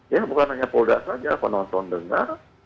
ya bukan hanya polda saja penonton dengar